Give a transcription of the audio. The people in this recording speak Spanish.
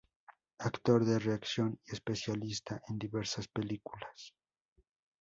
Actor de reacción y especialista en diversas películas.